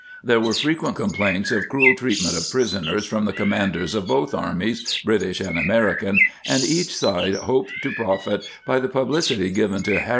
There were frequent complaints of cruel treat ment of prisoners from the commanders of both armies, British and American, and each side hoped to profit by the publicity given to harrowing de ibr.